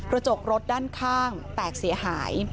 จกรถด้านข้างแตกเสียหาย